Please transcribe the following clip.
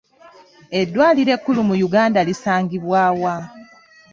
Eddwaliro ekkulu mu Uganda lisangibwa wa?